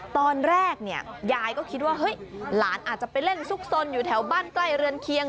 ตอนแรกเนี่ยยายก็คิดว่าเฮ้ยหลานอาจจะไปเล่นซุกซนอยู่แถวบ้านใกล้เรือนเคียง